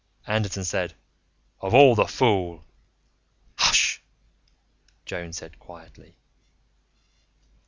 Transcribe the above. Anderton said, "Of all the fool " "Hush!" Joan said quietly.